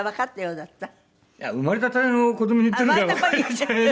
いや生まれたての子どもに言ってるからわかるはずない。